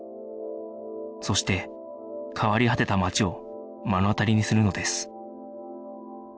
そして変わり果てた街を目の当たりにするのです